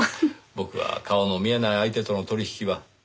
僕は顔の見えない相手との取引は苦手なので。